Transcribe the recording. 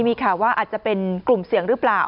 มีข่าวว่าอาจจะเป็นกลุ่มเสี่ยงหรือเปล่า